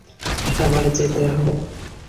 আমার যেতে হবে।